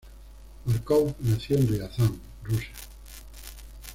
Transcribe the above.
Márkov nació en Riazán, Rusia.